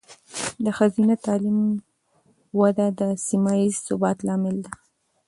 د ښځینه تعلیم وده د سیمه ایز ثبات لامل ده.